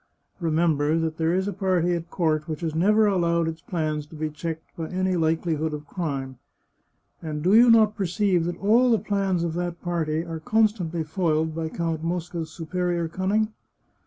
Remember that there is a party at court which has never allowed its plans to be checked by any likelihood of crime. And do you not perceive that all the plans of that party are constantly foiled by Count Mosca's superior cun ning?